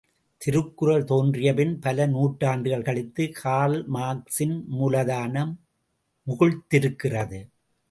திருக்குறள் தோன்றிய பின் பல நூறாண்டுகள் கழித்து கார்ல்மார்க்சின் மூலதனம் முகிழ்த் திருக்கிறது.